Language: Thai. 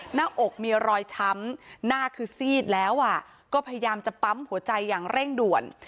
หน้าอกมีรอยช้ำหน้าคือซีดแล้วก็พยายามจะปั๊มหัวใจอย่างเร่งด่วน